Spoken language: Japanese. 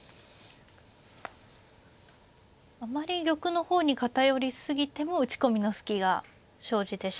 あまり玉の方に偏り過ぎても打ち込みの隙が生じてしまうんですね。